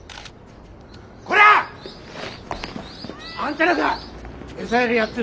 こら！あんたらか餌やりやってんのは！？